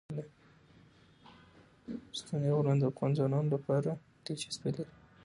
ستوني غرونه د افغان ځوانانو لپاره دلچسپي لري.